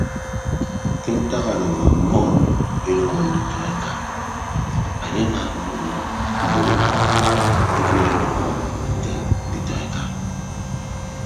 Ke ntak adooho ọmmọ edoñño nditọ eka enye amaabo nọ mbon idʌñ ekịt idem ọmmọ nte nditọeka.